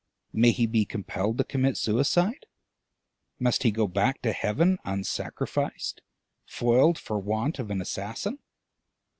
may he be compelled to commit suicide? must he go back to Heaven unsacrificed, foiled for want of an assassin?